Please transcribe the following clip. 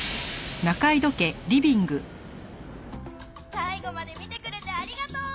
「最後まで見てくれてありがとう！」